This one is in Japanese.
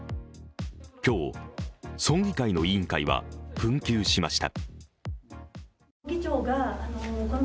今日、村議会の委員会は紛糾しました。